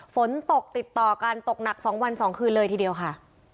ฝนตกติดต่อกันตกหนัก๒วัน๒คืนเลยทีเดียวค่ะ